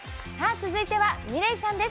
続いては、ｍｉｌｅｔさんです。